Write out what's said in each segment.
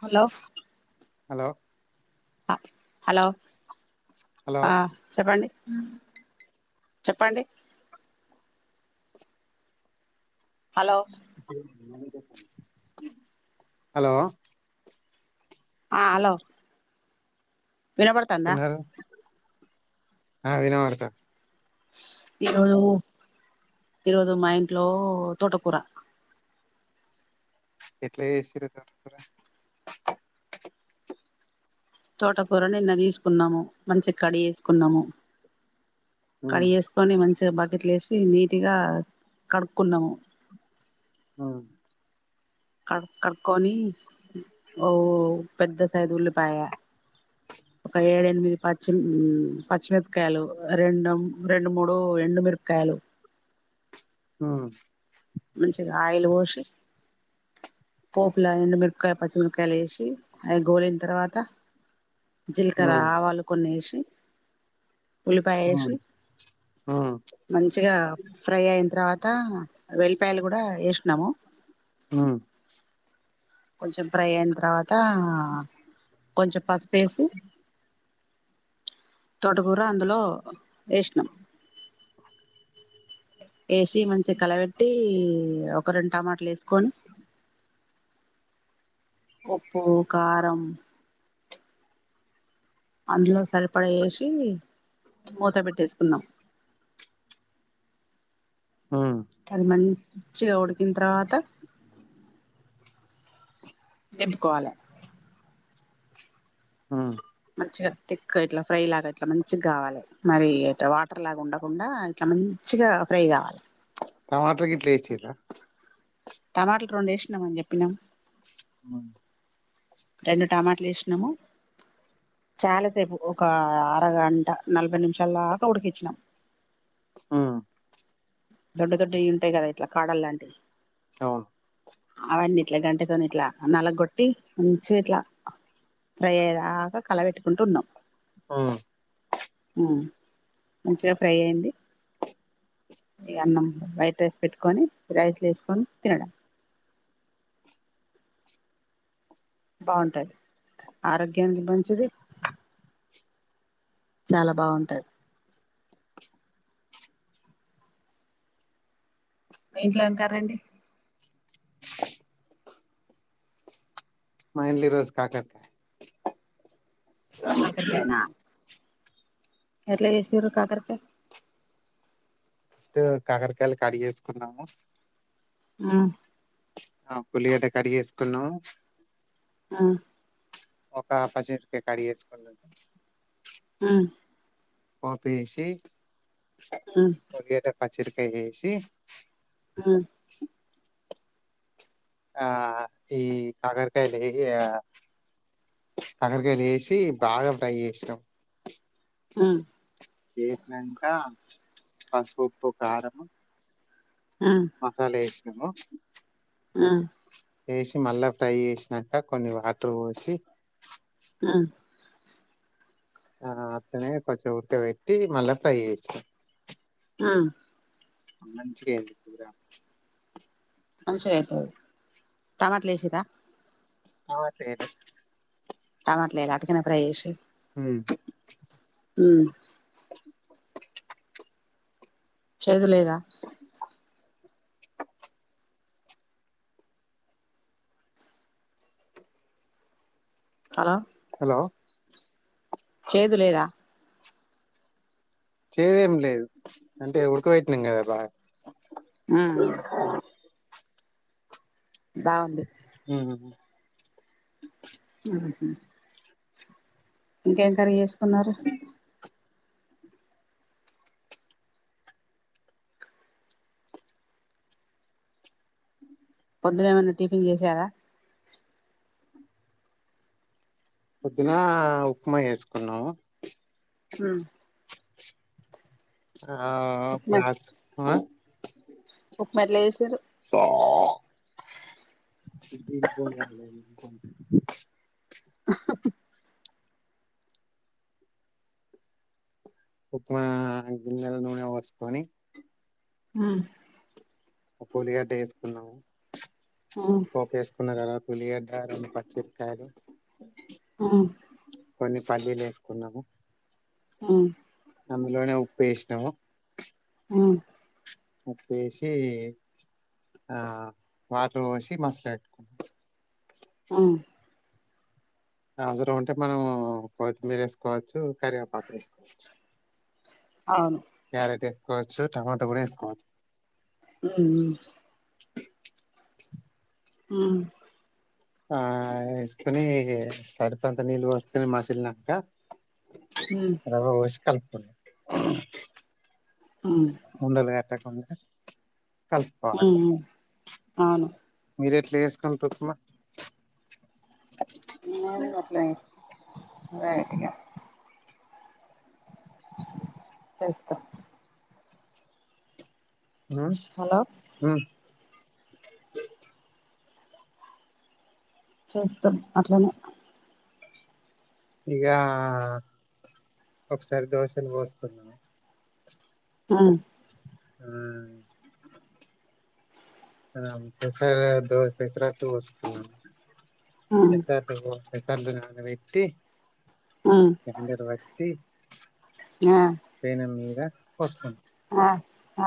hello hello hello hello ఆ చెప్పండి చెప్పండి హలో హలో ఆ హలో వినబడుతాందా నాకు వినబడతాంది ఈరోజు ఈరోజు మా ఇంట్లో తోటకూర ఎట్ల చేసారు తోటకూర తోటకూరను నిన్న తీసుకున్నాము మంచిగ కడి గేసుకున్నాము ఉమ్ కడిగేసుకొని మంచి బకెట్లో వేసి నీట్గా కడుక్కున్నాము అవును క కడుకొని ఓ పెద్ద సైజ్ ఉల్లిపాయా పచ్చి పచ్చిమిరపకాయలు రెం రెండు మూడు ఎండుమిరపకాయలు హ్మ్ మంచి ఆయిల్ పోసి పోపులా ఎండు మిరపకాయ పచ్చిమిరకాయలు వేసి అవి గోలిన తర్వాత జీలకర ఉమ్ ఆవాలు కొన్ని వేసి ఉల్లిపాయ ఉమ్ వేసి ఉమ్ మంచిగా ఫ్రై అయిన తర్వాత వెళ్లిపాయలు కూడా వేసినాము హ్మ్ కొంచెం ఫ్రై అయిన తర్వాత కొంచెం పసుపు వేసి తోటకూర అందులో వేసినాం వేసి మంచిగా కలబెట్టి ఒక రెండు టమాటాలు వేసుకొని ఉప్పు కారం అందులో సరిపడా వేసి మూత పెట్టేసుకుందాం ఉమ్ అది మంచిగా ఉడికిన తర్వాత నింపుకోవాలే హ్మ్ మంచిగా తిక్ ఇట్లా ఫ్రై లాగా ఇట్లా మంచిగా కావాలే మరి వాటర్ లాగా ఉండకుండా ఇట్లా మంచి చిగా ఫ్రై కావాలే టమాటాలు గిట్లేసిరా టమాటాలు రెండు వేసినాం అని చెప్పినాం ప్చ్ రెండు టమాటాలు వేసినాము చాలాసేపు ఒక అరగంట నలభై నిమిషాల దాకా ఉడికిచ్చినాం హ్మ్ దొడ్డు దొడ్డుయి ఉంటాయి కదా ఇట్లా కాడల్ లాంటివి అవును అవన్నీట్లా గంటతోనిట్లా నలగ కొట్టి మంచిగా ఇట్లా ఫ్రై అయ్యేదాకా కలబెట్టుకుంటూ ఉన్నాం హ్మ్ మంచిగా ఫ్రై అయ్యింది ఇగా అన్నం వైట్ రైస్ పెట్టుకొని రైస్ లో వేసుకొని తినడం [inaudible] బాగుంటాది ఆరోగ్యానికి మంచిది చాలా బాగుంటది మీ ఇంట్లో ఏం కర్రీ అండి మా ఇంట్లో ఈరోజు కాకరకాయ కాకరకాయ నా ఎట్లా చేసిర్రు కాకరకాయ ఫస్ట్ కాకరకాయలు కడిగేసుకున్నాము ఆ ఆ ఒక్క ఉల్లిగడ్డ కట్ చేసుకున్నాం ఆ ఒక్క పచ్చిమిరపకాయ కట్ చేసుకున్నాం ఆ పోపేసి ఆ ఉల్లిగడ్డ పచ్చిమిరపకాయ వేసి హ ఆ ఈ కాకరకాయలు వేసి కాకరకాయలు వేసి బాగా ఫ్రై చేసినం ఆ ఏగాక పసుపు కారం ఆ మసాలా ఏసినం ఆ వేసి మళ్ళా ఫ్రై చేసినాక కొన్ని వాటర్ పోసి ఆ ఆ అట్లనే కొంచంఉడకపెట్టి మళ్ళా ఫ్రై చేసం ఆ అ అంతే అయితది టమాటలు వేసరా టమాటలు ఎయ్యాలే టమాట వెయ్యలే అట్టిగానే ఫ్రై చేచిన్రు ఉమ్, మ్మ్ చేదులేదా హలో హలో చేదు లేదా చేదేం లేదు అంటే ఉడకబెట్టినాం కదా బాగా ఆహా బాగుంది ఉమ్, మ్మ్ హ్ ఇంకేం కర్రీ చేసుకున్నారు పొద్దునా ఏమైన్నా టిఫిన్ చేసారా పొద్దున ఉప్మా చేసుకున్నాము మ్మ్ ఆ ప్రాసెస్ ఉక్మ ఉక్మా ఎట్లా చేసారు సిమ్లో పెట్టాలి మొత్తం ఉప్మా గిన్నెల నూనె పోసుకొని ఆ ఉల్లిగడ్డ ఏసుకున్నాము ఉమ్ పోప్ వేసుకున్న తర్వాత ఉల్లిగడ్డ రెండు పచ్చిమిరపకాయలు ఆ కొన్ని పల్లీలు వేసుకున్నాము ఆ అందులోనే ఉప్పువేసినాము ఉమ్ ఉప్పు ఏసీ ఆ వాటర్ పొసి మస్ లా పెట్టుకున్నాం ఆ ఆవిరి గా ఉంటే మనము కొత్తిమీర వేసుకోవచ్చు కరివేపాకు వేసుకోవచ్చు అవును క్యారెట్ వేసుకోవచ్చు టమాటా కూడా వేసుకోవచ్చు [unintelligible] మ్ ఆ ఇస్కని సరిత అంత నీల్ వస్తతన మా సిన్నక్క ఉమ్ రవ్వ పోసి కలుపుకునే ఉమ్ [unintelligible] ఉంది ఉహు అవును మీరు ఎట్లా చేసుకుంటరు ఉప్మా నిన్నేమి గట్లే లైటిగా తెస్తా హ హలో హు చేస్తాం అట్లనే ఇగ ఒకసారి దోషాలు పోస్తున్నాను హ్మ్ ఆ ఆ అంతే [unintelligible] పేసేరేట్టు పోస్తున్న ఉమ్ పేసేరేట్టు ప్రసాద్ గుణా అనే వ్యక్తి ఉమ్ క్యాండర్ వక్తి ఆ పేనం మీద పోసుకున్నాం ఆ ఆ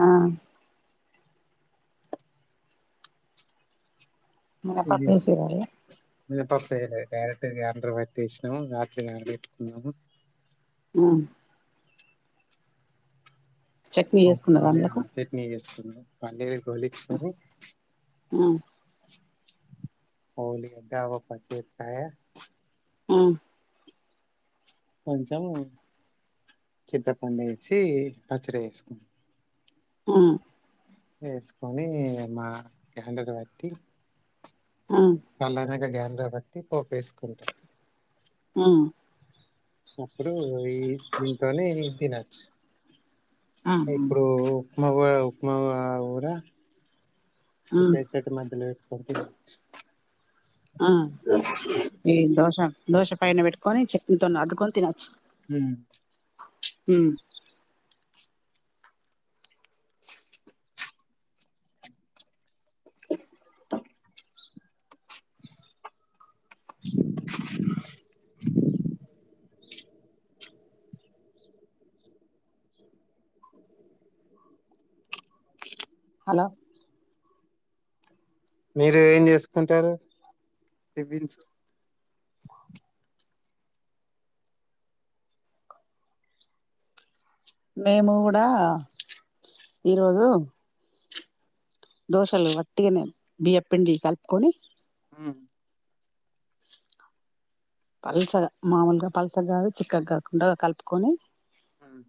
ఆ మినపప్పు ఇది వేసిరా యే మినపప్పు ఎయిలే క్యారేటు గైడర్ పెట్టేసినం రాత్రి నానపెట్టుకున్నాము హ్మ్ చట్నీ చేసుకున్నారా అందులకు [unintelligible] చెట్నీ చేసుకున్నాము పల్లిల్ రోలిచికుని ఉమ్ [unintelligible] పచ్చి మిరపకాయ ఆ కొంచెం చింతపండు వేసి పచ్చడి వేసుకున్నం మ్ వేసుకొని మా గ్యమ్డకు పెట్టి ఉమ్ చల్లరినాక గైడరా పట్టి పోప్ వేసుకుంటామ్ ఉమ్ అప్పుడు ఈ దీంతోనే తినొచ్చు ఉమ్ ఇప్పుడు ఉప్మా కూడా ఉప్మా ఊరా ఉమ్ పెసరట్టు మధ్యలో వెట్టుకోని తినొచ్చు ఆ ఈ దోశ దోశ పైన పెట్టుకొని చట్నీతోని అద్దుకొని తినొచ్చు ఉమ్ హ్మ్ హలో మీరు ఏం చేసుకుంటారు [unintelligible] మేము కూడా ఈరోజు దోశలు వట్టిగనే బియ్యపు పిండి కలుపుకొని ఉహుం పల్సగా మాములుగా పల్సగ్గాదు చిక్కగు కాకుండా కలుపుకొని అమ్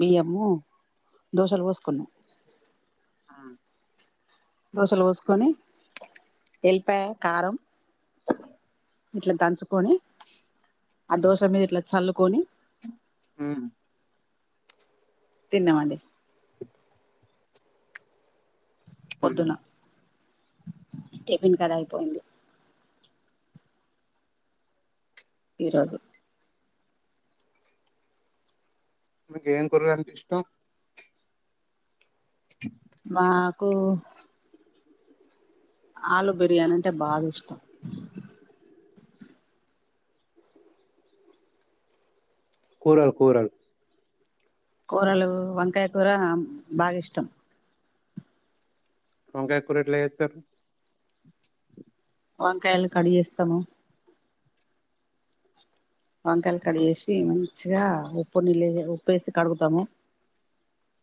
బియ్యము దోశలు పోసుకున్నా అ దోశలు వోసుకొని ఎల్లిపాయ కారం ఇట్ల దంచుకొని ఆ దోశ మీద ఇట్ల చల్లుకొని మ్మ్ హు తిన్నమండి పొద్దున టిఫిన్ కదా అయిపోయింది ఈ రోజు మీక ఏం కూరులంటే ఇష్టం మాకు ఆలు బిర్యానీ అంటే బాగా ఇష్టం కూరల్ కూరల్ కూరలు వంకాయ కూర బాగా ఇష్టం వంకాకూర రేట్ల చేత్తరు వంకాయలు కడిచెస్తాము వంకాయలు కడిగేసి మంచిగా ఉప్పు నీళ్ళ ఉప్పుేసి కడుగుతాము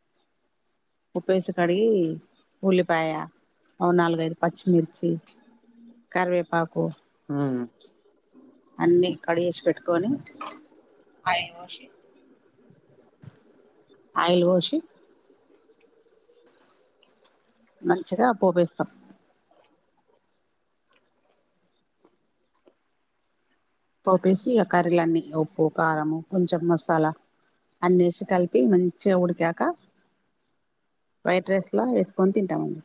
[inaudible] ఉప్పుేసి కడిగి ఉల్లిపాయ ఓ నాలుగైదు పచ్చిమిర్చి కార్వేపాకు [inaudible] అన్నిీ కడి చేేసి పెట్టుకొని ఆయిల్ పొశీ [inaudible] ఆయిల్ వోషి మంచిగా పోపేస్తాం పోపేసి ఇగ కర్రీలన్నీ ఉప్పు కారము కొంచెం మ మసాలా అన్నేసి కలిపి మంచిగా ఉడికాక వైట్ రైస్లా వేసుకొని తింటమండి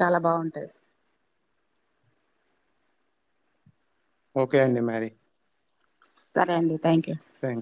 చాలా బాగుంటది ఓకే అండి మరి సరే అండి థ్యాంక్ యూ థ్యాంక్